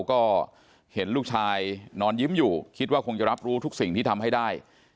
ก็เห็นลูกชายนอนยิ้มอยู่คิดว่าคงจะรับรู้ทุกสิ่งที่ทำให้ได้